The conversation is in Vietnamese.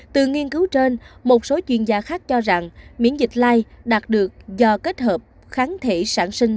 từ nghiên cứu trên một số chuyên gia khác cho rằng miễn dịch lai đạt được do kết hợp kháng thể sản sinh